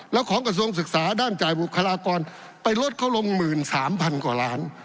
แล้วของกระทรวงศึกษาด้านจ่ายบุคลากรไปลดเขาลง๑๓๐๐๐กว่าล้าน